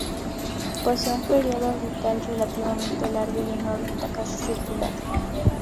Posee un período orbital relativamente largo y una órbita casi circular.